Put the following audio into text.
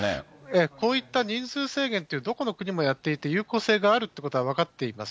こういった人数制限ってどこの国もやっていて、有効性があるということは分かっています。